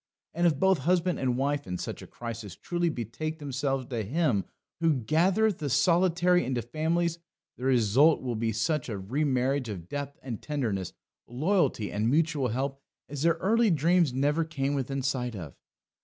And if both husband and wife in such a crisis truly betake themselves to Him who gathereth the solitary into families, the result will be such a remarriage of depth and tenderness, loyalty and mutual help, as their early dreams never came within sight of.